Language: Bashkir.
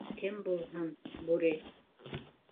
— Кем булһын, бүре!